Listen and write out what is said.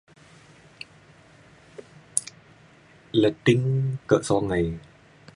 leting kak sungai.